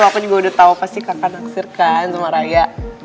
aku juga udah tahu pasti kakak naksir kan sama raya